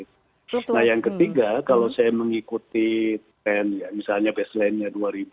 nah yang ketiga kalau saya mengikuti ten ya misalnya baseline nya dua ribu sembilan belas